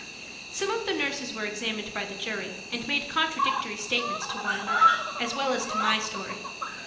Some of the nurses were examined by the jury, and made contradictory statements to one another, as well as to my story.